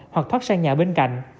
hoặc thoát sang nhà bên cạnh